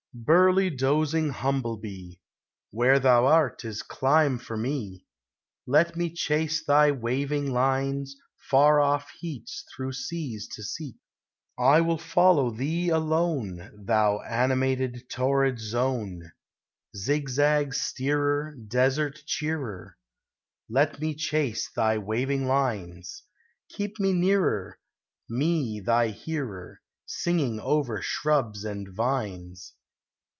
Burly, dozing humbleoee ! Where thou art is clime for me; Let me chase thy waving lines; Far off heats through seas to seek, 1 will follow thee alone, Thou animated torrid zone! Zigzag steerer, desert cheerer, Let me chase thy waving lines; Keep me nearer, me thy hearer, Singing over shrubs and vines.